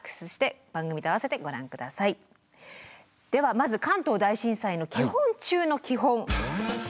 まず関東大震災の基本中の基本。